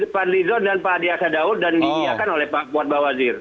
fadlizon dan pak adiasa daud dan diingiakan oleh pak buatbawajin